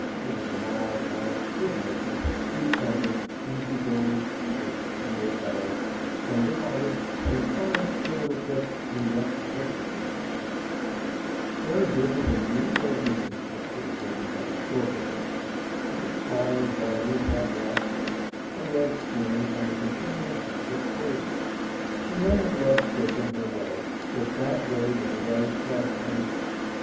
He was a mild, honest, good natured, sweet tempered, easy going, foolish, dear fellow, tender hearted and kind to little Pip and yet a Hercules for strength. Very different, indeed, was "Mrs. Joe," as everybody spoke of her. She was tall and bony and had black hair, a red skin and a continual habit of scolding. She may have loved Pip in her way, but that way was a very cross grained one.